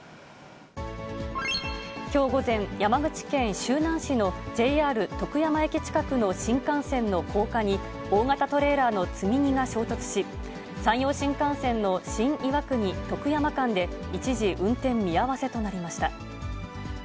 きょう午前、山口県周南市のＪＲ徳山駅近くの新幹線の高架に、大型トレーラーの積み荷が衝突し、山陽新幹線の新岩国・徳山間で一時、運転見合わせとなりました。